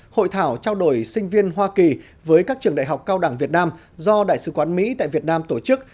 hội thảo trao đổi sinh viên hoa kỳ với các trường đại học cao đẳng việt nam do đại sứ quán mỹ tại việt nam tổ chức